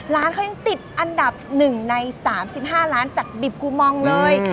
ร้านเขายังติดอันดับ๑ใน๓๕ล้านจากบิบกูมองเลย